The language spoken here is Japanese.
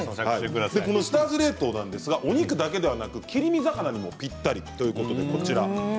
下味冷凍はお肉だけではなく切り身魚にもぴったりなんです。